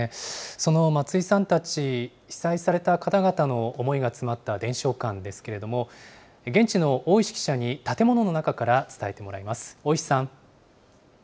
その松井さんたち、被災された方々の思いが詰まった伝承館ですけれども、現地の大石記者に、建物の中から伝えてもらいます。